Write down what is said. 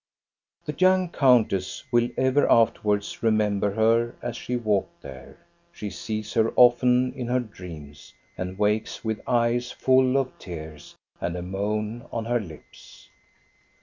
The young countess will ever afterwards remember her, as she walked there. She sees her often in her dreams, and wakes with eyes full of tears and a moan on her lips.